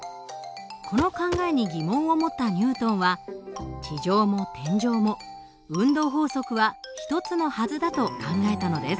この考えに疑問を持ったニュートンは地上も天上も運動法則は一つのはずだと考えたのです。